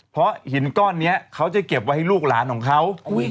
เพราะหินก้อนนี้เขาจะเก็บไว้ให้ลูกหลานของเขา